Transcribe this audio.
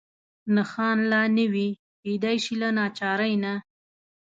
نښان لا نه وي، کېدای شي له ناچارۍ نه.